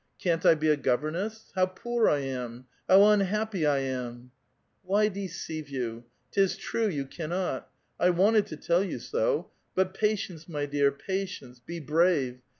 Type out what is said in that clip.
Can't I be a governess? How poor I am ! how unhappy I am !"• Why deceive you? 'Tis true, you cannot; I wanted to tell you so. But patience, my dear, patience ! Be brave.